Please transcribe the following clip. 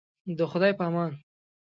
د خدای په امان.